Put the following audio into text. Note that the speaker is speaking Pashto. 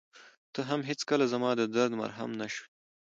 ته هم هېڅکله زما د درد مرهم نه شوې.